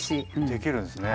できるんですね。